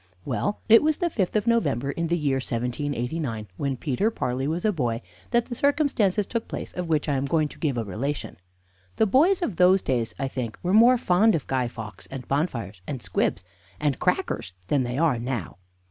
Well, it was on the fifth of November, in the year 1789, when Peter Parley was a boy, that the circumstances took place of which I am going to give a relation. The boys of those days, I think, were more fond of Guy Fawkes, and bonfires, and squibs, and crackers than they are now.